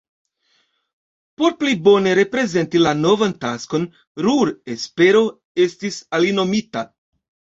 Por pli bone reprezenti la novan taskon, Ruhr-Espero estis alinomita.